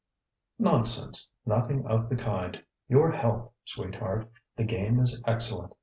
ŌĆØ ŌĆ£Nonsense! Nothing of the kind! Your health, sweetheart! The game is excellent!